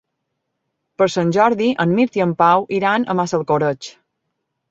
Per Sant Jordi en Mirt i en Pau iran a Massalcoreig.